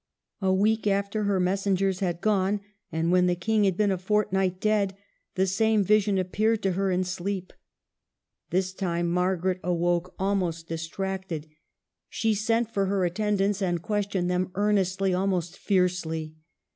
A week after her messengers had gone, and when the King had been a fortnight dead, the same vision appeared to her in sleep. This time Margaret awoke almost distracted. DEATH OF THE KING. 293 She sent for her attendants and questioned them earnestly, almost fiercely.